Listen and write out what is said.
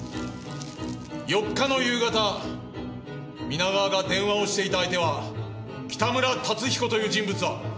４日の夕方皆川が電話をしていた相手は北村達彦という人物だ。